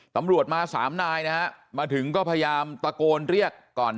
ตำรวจมาสามนายนะฮะมาถึงก็พยายามตะโกนเรียกก่อน